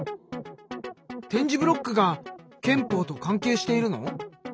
点字ブロックが憲法と関係しているの？